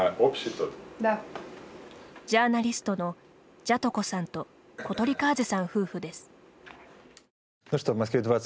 ジャーナリストのジャトコさんとコトリカーゼさん夫婦です。